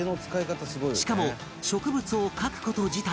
しかも植物を描く事自体